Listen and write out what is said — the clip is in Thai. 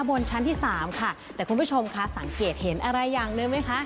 บนชั้นที่สามค่ะแต่คุณผู้ชมคะสังเกตเห็นอะไรอย่างหนึ่งไหมคะ